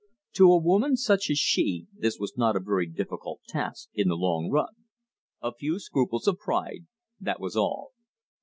To a woman such as she this was not a very difficult task in the long run. A few scruples of pride; that was all.